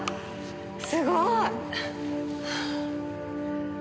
すごい！